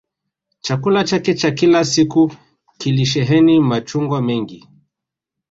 Chakula chake cha kila siku kilisheheni machungwa mengi